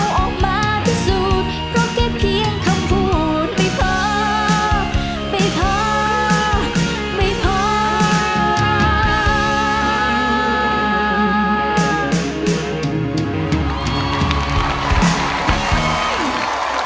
ความผู้ใจออกมาเอาออกมาที่สุด